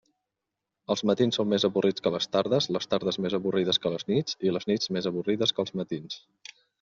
Els matins són més avorrits que les tardes, les tardes més avorrides que les nits i les nits més avorrides que els matins.